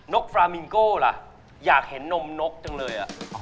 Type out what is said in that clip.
นกฟาวมิ้งโกล่ะอยากเห็นนมนกจังเลยอ่ะ